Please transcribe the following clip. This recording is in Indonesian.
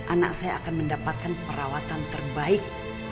anak saya akan mendapatkan perawatan terbaik